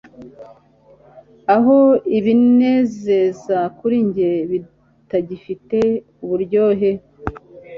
Aho ibinezeza kuri njye bitagifite uburyohe